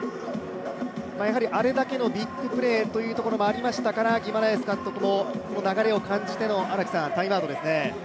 あれだけのビッグプレーというところもありましたからギマラエス監督も流れを感じてのタイムアウトですね。